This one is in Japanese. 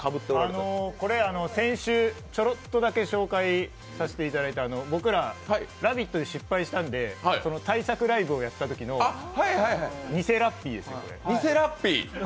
これ先週、ちょろっとだけ紹介させていただいた僕ら、「ラヴィット！」で失敗したので対策ライブをやったときの偽ラッピーです、これ。